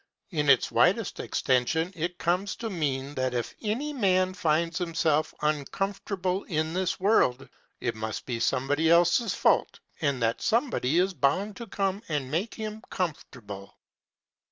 In its widest extension it comes to mean that if any man finds himself uncomfortable in this world, it must be somebody else's fault, and that somebody is bound to come and make him comfortable.